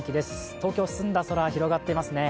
東京、澄んだ空が広がっていますね